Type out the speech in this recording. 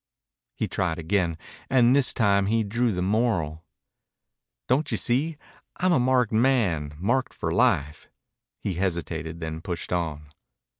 He tried again, and this time he drew the moral. "Don't you see, I'm a marked man marked for life." He hesitated, then pushed on.